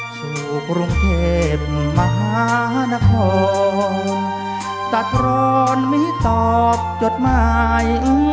ช่วงกรุงเทพมาฮานพ่อตัดรอนวิตตอบจดหมาย